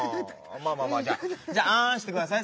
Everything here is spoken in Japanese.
まあまあまあじゃあんしてください